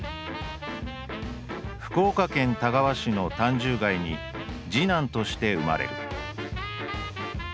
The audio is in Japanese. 「福岡県田川市の炭住街に次男として生まれる」。